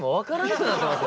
くなってます。